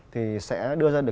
thì sẽ đưa ra được